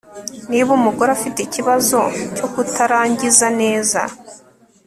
niba umugore afite ikibazo cyo kutarangiza neza